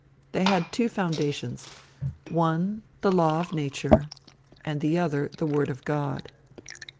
They had two foundations: one, the law of nature, and the other, the word of God.